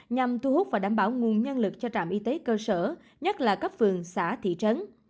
nhằm thu hút và đảm bảo nguồn nhân lực cho trạm y tế cơ sở nhất là cấp phường xã thị trấn